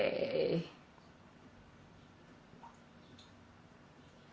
masih belum bisa nih